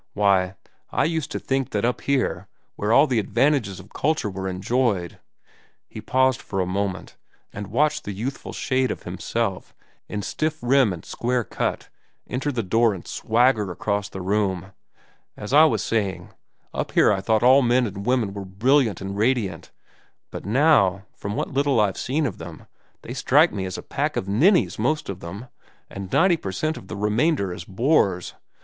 Why, I used to think that up here, where all the advantages of culture were enjoyed—" He paused for a moment, and watched the youthful shade of himself, in stiff rim and square cut, enter the door and swagger across the room. "As I was saying, up here I thought all men and women were brilliant and radiant. But now, from what little I've seen of them, they strike me as a pack of ninnies, most of them, and ninety percent of the remainder as bores.